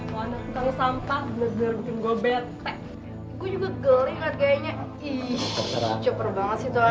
mau anakku kalu sampah bener bener bikin gua bete